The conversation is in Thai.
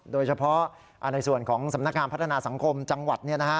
โดยเฉพาะในส่วนของสำนักงานพัฒนาสังคมจังหวัด